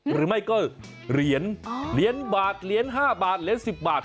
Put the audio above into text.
หรือไม่ก็เหรียญเหรียญบาทเหรียญ๕บาทเหรียญ๑๐บาท